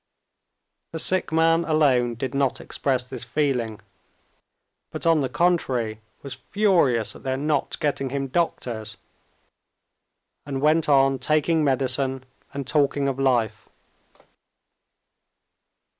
The sick man alone did not express this feeling, but on the contrary was furious at their not getting him doctors, and went on taking medicine and talking of life.